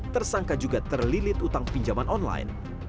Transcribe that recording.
tersangka juga terlilit utang pinjaman online